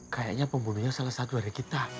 kayaknya pembunuhnya salah satu dari kita